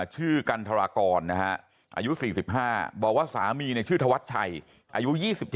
ชื่อกันทรากรอายุ๔๕บอกว่าสามีชื่อธวัชชัยอายุ๒๗